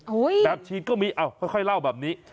แบบฉีดก็มีเอาค่อยเล่าแบบนี้